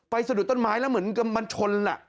สะดุดต้นไม้แล้วเหมือนกับมันชน